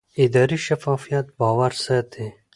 اداري شفافیت باور ساتي